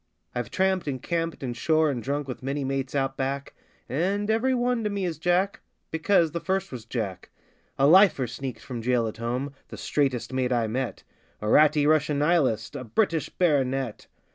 I've tramped, and camped, and 'shore' and drunk with many mates Out Back And every one to me is Jack because the first was Jack A 'lifer' sneaked from jail at home the 'straightest' mate I met A 'ratty' Russian Nihilist a British Baronet!